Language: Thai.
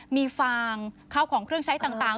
มีฟางข้าวของเครื่องใช้ต่าง